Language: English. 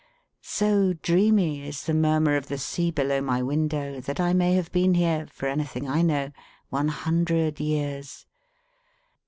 So dreamy is the murmur of the sea below my window, that I may have been here, for anything I know, one hundred years.